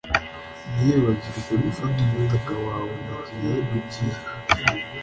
Ntiwibagirwe gufata umutaka wawe mugihe ugiye